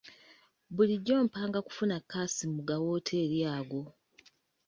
Bulijjo mpanga kufuna kkaasi mu ga wooteeri ago.